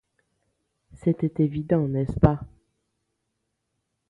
C’était évident, n’est-ce pas ?